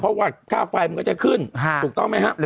เพราะไฟมันก็จะขึ้นถูกต้องมั้ยครับ